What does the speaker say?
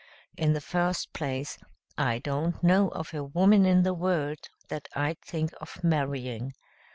In the first place, I don't know of a woman in the world that I'd think of marrying.